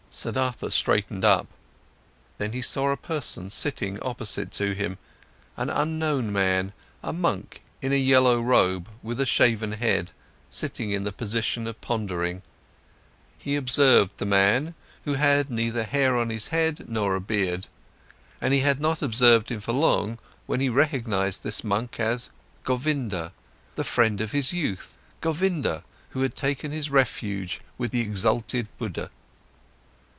Siddhartha straightened up, then he saw a person sitting opposite to him, an unknown man, a monk in a yellow robe with a shaven head, sitting in the position of pondering. He observed the man, who had neither hair on his head nor a beard, and he had not observed him for long when he recognised this monk as Govinda, the friend of his youth, Govinda who had taken his refuge with the exalted Buddha.